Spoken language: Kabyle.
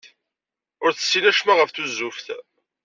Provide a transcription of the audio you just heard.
Ur tessin acemma ɣef tuzzuft.